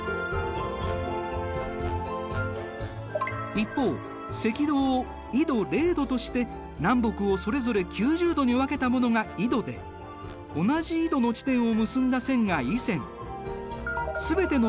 一方赤道を緯度０度として南北をそれぞれ９０度に分けたものが緯度で同じ緯度の地点を結んだ線が緯線。